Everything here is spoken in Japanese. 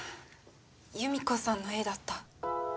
由美子さんの絵だった。